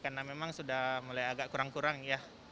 karena memang sudah mulai agak kurang kurang ya